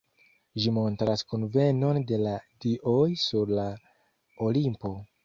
Ĝi montras kunvenon de la dioj sur la Olimpo.